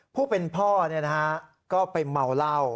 ผู้เป็นพ่อเนี่ยนะฮะก็ไปเมาเหล้า